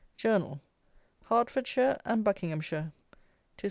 JOURNAL: HERTFORDSHIRE, AND BUCKINGHAMSHIRE: TO ST.